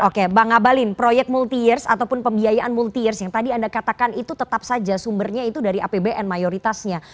oke bang abalin proyek multi years ataupun pembiayaan multi years yang tadi anda katakan itu tetap saja sumbernya ya